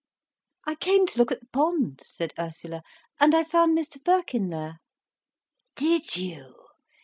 "I came to look at the pond," said Ursula, "and I found Mr Birkin there." "Did you?